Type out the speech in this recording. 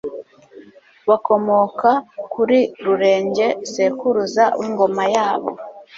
bakomoka kuri Rurenge sekuruza w'Ingoma yabo.